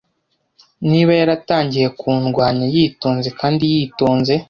Niba yaratangiye kundwanya yitonze kandi yitonze